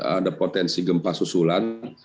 ada potensi gempa susulan